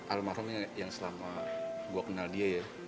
al mahrom yang selama gue kenal dia ya